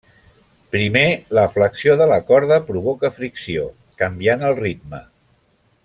Primer, la flexió de la corda provoca fricció, canviant el ritme.